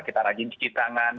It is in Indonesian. kita rajin cuci tangan